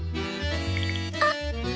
あっ。